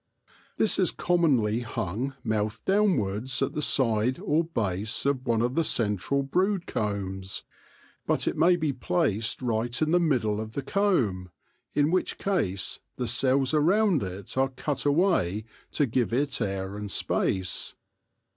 This is commonly hung mouth downwards at the side or base of one of the central brood combs, but it may be placed right in the middle of the comb, in which case the cells around it are cut away to give it air and space.